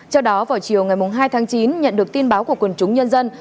trong đó vào chiều ngày hai chín nhận được tin báo của quần chúng nhân dân